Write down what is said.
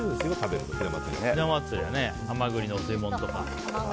ひな祭りはハマグリのお吸い物とか。